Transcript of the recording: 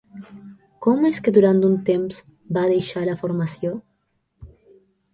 Com és que durant un temps va deixar la formació?